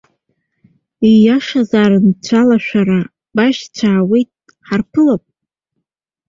Ииашазаарын бцәалашәара, башьцәа аауеит, ҳарԥылароуп.